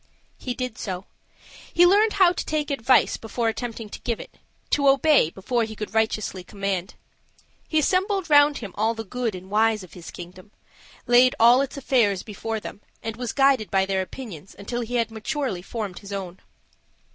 He did so. He learned how to take advice before attempting to give it, to obey before he could righteously command. He assembled round him all the good and wise of his kingdom laid all its affairs before them, and was guided by their opinions until he had maturely formed his own.